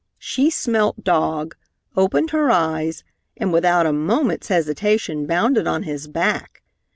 She smelt dog, opened her eyes and without a moment's hesitation bounded on his back.